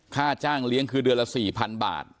ค่าจ้างเลี้ยงคือเดือนละ๔๐๐๐บาท